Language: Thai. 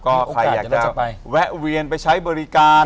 ก็ใครอยากจะแวะเวียนไปใช้บริการ